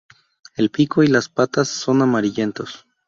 El pico y las patas son amarillentos.